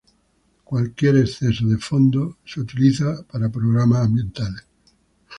Cualquier exceso de fondos es utilizado para programas ambientales.